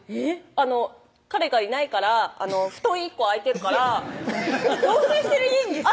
あの彼がいないから布団１個空いてるから同棲してる家にですか？